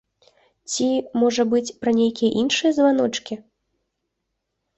Ці, можа быць, пра нейкія іншыя званочкі?